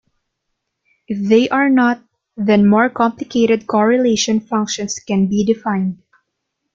If they are not, then more complicated correlation functions can be defined.